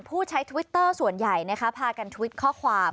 ผู้ใช้ทวิตเตอร์ส่วนใหญ่พากันทวิตข้อความ